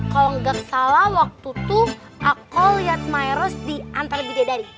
kalau gak salah waktu itu aku liat maeros di antar bidadari